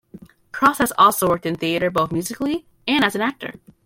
Cross has also worked in theatre both musically and as an actor.